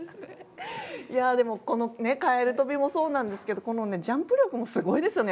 このカエル跳びもそうなんですけどこのジャンプ力もすごいですよね